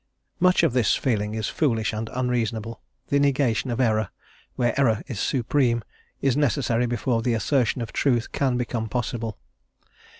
Much of this feeling is foolish and unreasonable; the negation of error, where error is supreme, is necessary before the assertion of truth can become possible.